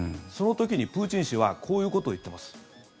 その時に、プーチン氏はこういうことを言っています。